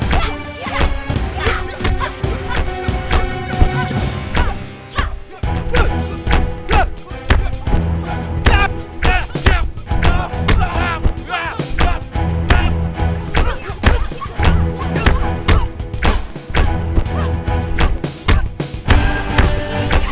tunggal tunggal tunggal